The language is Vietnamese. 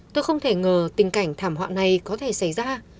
tôi không thể ngờ tình cảnh thảm họa này có thể xảy ra